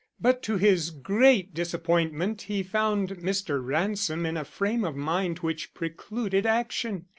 But to his great disappointment he found Mr. Ransom in a frame of mind which precluded action.